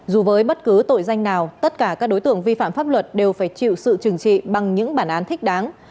dù với bất cứ tội danh nào tất cả các đối tượng vi phạm pháp luật đều phải chịu sự trừng trị bằng những bản án thích đáng